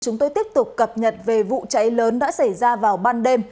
chúng tôi tiếp tục cập nhật về vụ cháy lớn đã xảy ra vào ban đêm